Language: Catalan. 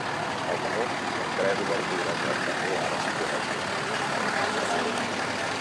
Al damunt hi ha tres obertures rectangulars corresponents a la cambra d'aire.